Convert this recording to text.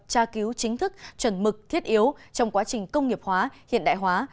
tra cứu chính thức chuẩn mực thiết yếu trong quá trình công nghiệp hóa hiện đại hóa